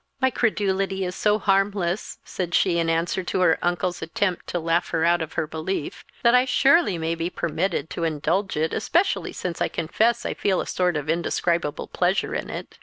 "My credulity is so harmless," said she in answer to her uncle's attempt to laugh her out of her belief, "that I surely may be permitted to indulge it especially since I confess I feel a sort of indescribable pleasure in it."